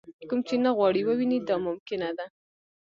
کوم چې نه غواړئ ووینئ دا ممکنه ده.